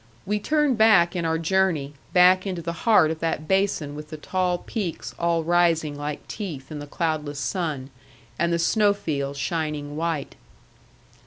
We turned back in our journey, back into the heart of that basin with the tall peaks all rising like teeth in the cloudless sun, and the snow fields shining white.